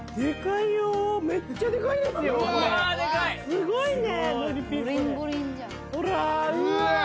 すごいよ。